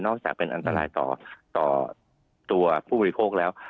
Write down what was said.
จากเป็นอันตรายต่อตัวผู้บริโภคแล้ว